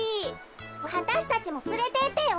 わたしたちもつれてってよ。